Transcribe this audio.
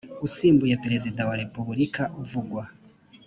usimbuye perezida wa repubulika uvugwa